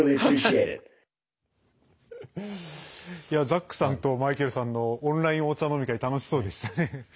ザックさんとマイケルさんのオンラインお茶飲み会楽しそうでしたね。